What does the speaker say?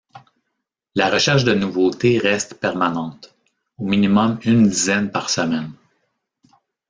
La recherche de nouveautés reste permanente, au minimum une dizaine par semaine.